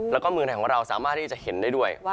และมีเร็วาสและดาวราวสามารถที่จะเห็นได้ด้วย